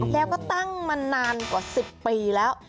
แล้วก็ตั้งมานานกว่า๑๐ปีแล้ว